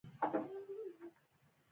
ستونزه له عمومي قضاوت څخه پیلېږي.